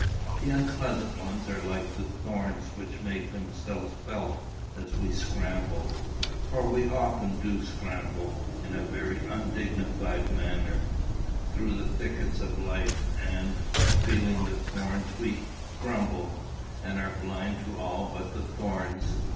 The unpleasant ones are like the thorns which make themselves felt as we scramble for we often do scramble in a very undignified manner through the thickets of life; and, feeling the thorns, we grumble, and are blind to all but the thorns.